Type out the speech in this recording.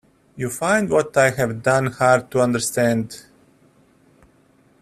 You find what I have done hard to understand.